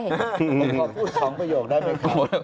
ผมขอพูด๒ประโยคได้ไหมคุณ